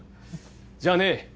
じゃあね